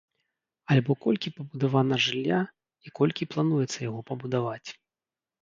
Альбо колькі пабудавана жылля і колькі плануецца яго пабудаваць.